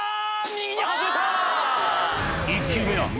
右に外れた！